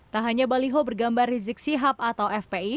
tak hanya baliho bergambar rizik sihab atau fpi